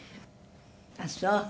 ああそう。